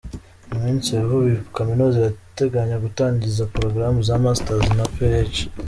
Mu minsi ya vuba, iyi Kaminuza irateganya gutangiza progaramu za Masters na Ph.